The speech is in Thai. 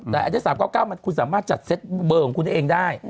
แต่อันนี้๓๙๙มันคุณสามารถจัดเซตเบอร์ของคุณเองได้